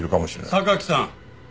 榊さん！